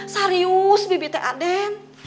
serius bibi teh aden